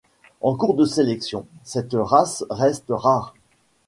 En cours de sélection, cette race reste rare.